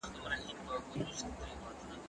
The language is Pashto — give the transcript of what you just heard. هغه وويل چي کتابتون ارام دی!.